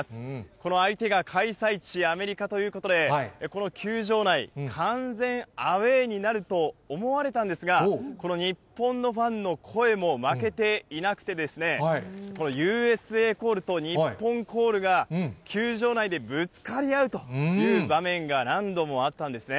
この相手が開催地、アメリカということで、この球場内、完全アウエーになると思われたんですが、この日本のファンの声も負けていなくて、ＵＳＡコールと、日本コールが球場内でぶつかり合うという場面が何度もあったんですね。